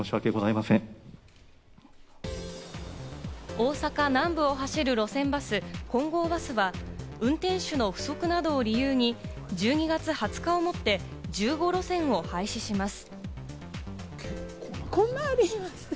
大阪南部を走る路線バス・金剛バスは、運転手の不足などを理由に１２月２０日をもって１５路線を廃止します。